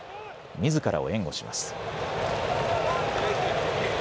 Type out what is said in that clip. みずからを援護します。